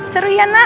seru ya nak